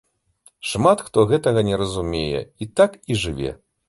Шмат хто гэтага не разумее, і так і жыве.